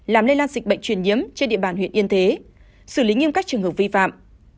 làm lây lan dịch bệnh truyền nhiễm trên địa bàn huyện yên thế xử lý nghiêm các trường hợp vi phạm